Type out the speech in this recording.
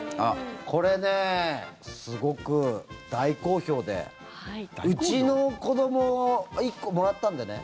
これね、すごく大好評でうちの子ども１個もらったんでね